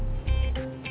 permisi mau operasi dulu ya